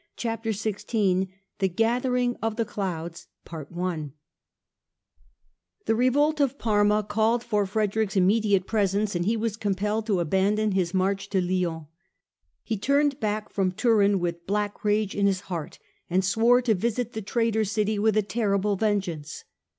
Chapter XVI THE GATHERING OF THE CLOUDS revolt of Parma called for Frederick's im mediate presence and he was compelled to abandon his march to Lyons. He turned back from Turin with black rage in his heart and swore to visit the traitor city with a terrible vengeance.